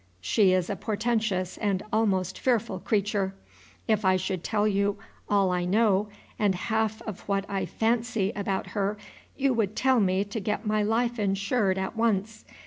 She is a portentous and almost fearful creature. If I should tell you all I know and half of what I fancy about her, you would tell me to get my life insured at once.